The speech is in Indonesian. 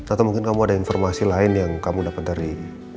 atau mungkin kamu ada informasi lain yang kamu dapat dari